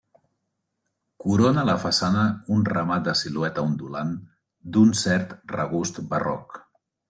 Corona la façana un remat de silueta ondulant d'un cert regust barroc.